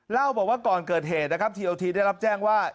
เล่าบอกว่าก่อนเกิดเหตุนะครับทีโอทีได้รับแจ้งว่า